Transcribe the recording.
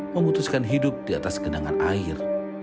memutuskan hidup di atas genangan air